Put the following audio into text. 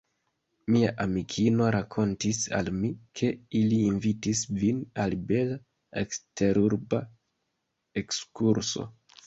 Mia amikino rakontis al mi, ke ili invitis vin al bela eksterurba ekskurso.